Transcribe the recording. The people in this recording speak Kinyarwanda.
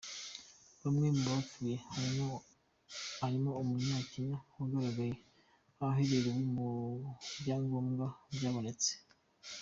Bamwe mu bapfuye harimo umunyakenya wagaragaye haherewe ku bayngombwa byabonetse.